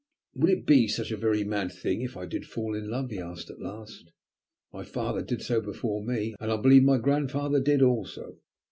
"Would it be such a very mad thing if I did fall in love?" he asked at last. "My father did so before me, and I believe my grandfather did also.